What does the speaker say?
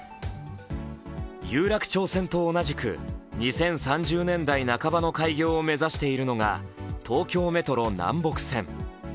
有楽町線と同じく２０３０年代半ばの開業を目指しているのが東京メトロ南北線。